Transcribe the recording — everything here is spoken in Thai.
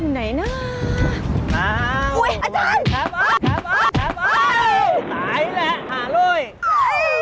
อาจารย์อาจารย์ไม่ต้องไป